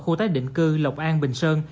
khu tái định cư lộc an bình sơn